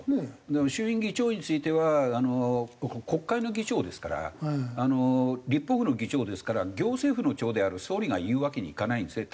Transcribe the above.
でも衆議院議長については国会の議長ですからあの立法府の議長ですから行政府の長である総理が言うわけにいかないんですね